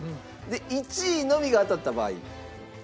１位のみが当たった場合３ポイント。